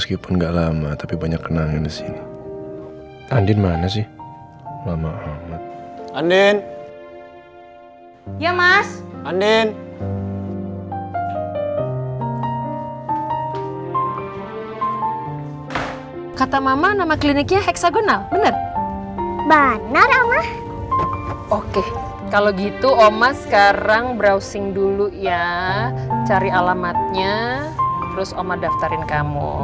kita langsung browsing dulu ya cari alamatnya terus oma daftarin kamu